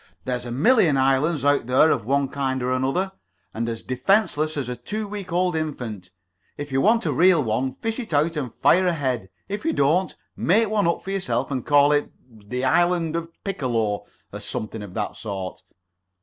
There's a million islands out there of one kind or another, and as defenceless as a two weeks' old infant. If you want a real one, fish it out and fire ahead. If you don't, make one up for yourself and call it 'The Isle of Piccolo,' or something of that sort.